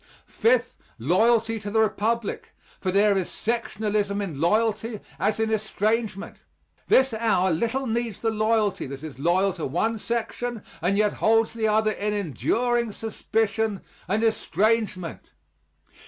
Fifth, loyalty to the Republic for there is sectionalism in loyalty as in estrangement. This hour little needs the loyalty that is loyal to one section and yet holds the other in enduring suspicion and estrangement.